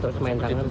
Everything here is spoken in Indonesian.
terus main tangan